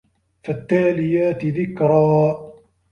فَالتّالِياتِ ذِكرًا